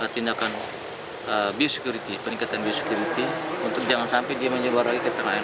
tindakan biosecurity peningkatan biosecurity untuk jangan sampai dia menyebar lagi ke terakhir